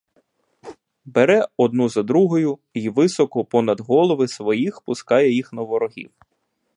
Бере одну за другою й високо понад голови своїх пускає їх на ворогів.